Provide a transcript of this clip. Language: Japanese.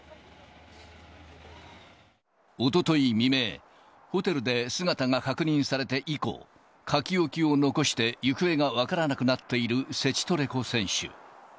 おととい未明、ホテルで姿が確認されて以降、書き置きを残して行方が分からなくなっているセチトレコ選手。